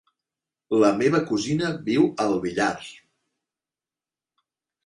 La meva cosina viu al Villar.